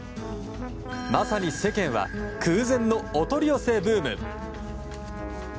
まさに、世間は空前のお取り寄せブーム。